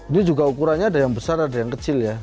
ini juga ukurannya ada yang besar ada yang kecil ya